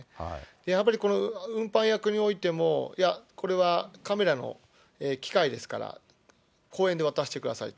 やっぱりこの運搬役においても、いや、これはカメラの機械ですから、公園で渡してくださいと。